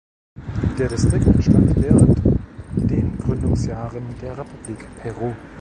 Der Distrikt entstand während den Gründungsjahren der Republik Peru.